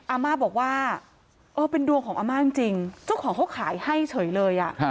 อาม่าบอกว่าเออเป็นดวงของอาม่าจริงเจ้าของเขาขายให้เฉยเลย